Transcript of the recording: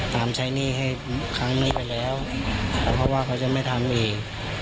ใช้หนี้ให้ครั้งนี้ไปแล้วเพราะว่าเขาจะไม่ทำอีก